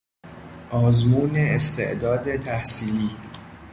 آزمون استعداد تحصیلی